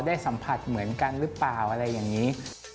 สัมผัสเหมือนกันหรือเปล่าอะไรอย่างนี้